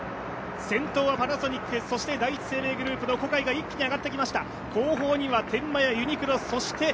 先頭はパナソニック、第一生命グループの小海が一気に上がってきました。